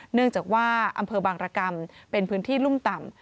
เนื่องจากว่าอำเภอบางรกรรมเป็นพื้นที่รุ่มต่ำ